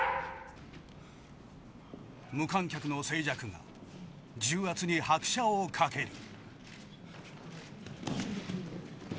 無観客の静寂が重圧に拍車をかける。